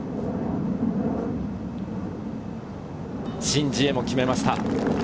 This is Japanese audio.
シン・ジエも決めました！